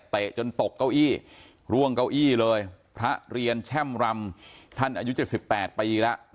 จนตกเก้าอี้ร่วงเก้าอี้เลยพระเรียนแช่มรำท่านอายุ๗๘ปีแล้ว